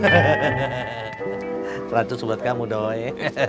teracus buat kamu doi